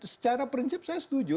secara prinsip saya setuju